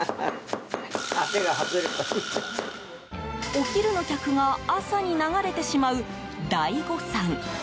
お昼の客が朝に流れてしまう大誤算。